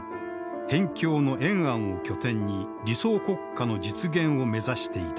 辺境の延安を拠点に理想国家の実現を目指していた。